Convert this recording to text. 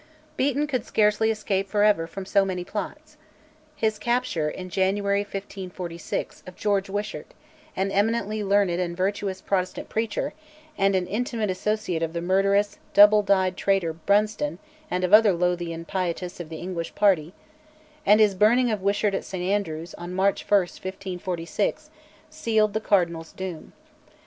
Beaton could scarcely escape for ever from so many plots. His capture, in January 1546, of George Wishart, an eminently learned and virtuous Protestant preacher, and an intimate associate of the murderous, double dyed traitor Brunston and of other Lothian pietists of the English party; and his burning of Wishart at St Andrews, on March 1, 1546, sealed the Cardinal's doom.